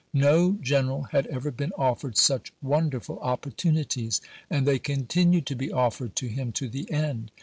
No general had ever been offered such wonderful opportunities ; and they continued to be offered to him to the end.